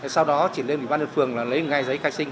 sau đó chỉ lên địa bàn phường là lấy ngay giấy khai sinh